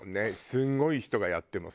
すごい人がやってもさ。